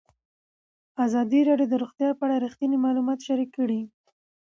ازادي راډیو د روغتیا په اړه رښتیني معلومات شریک کړي.